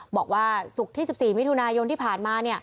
บอกว่าศุกร์ที่๑๔มิถุนายนที่ผ่านมา